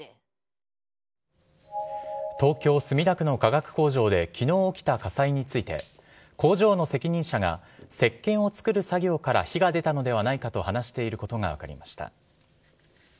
東京・墨田区の化学工場で昨日起きた火災について工場の責任者がせっけんを作る作業から火が出たのではないかと話していることが分かりました。